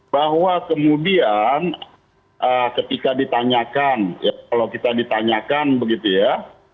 bahwa kemudian ketika ditanyakan ya kalau kita ditanyakan begitu ya